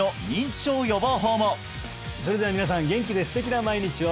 それでは皆さん元気で素敵な毎日を！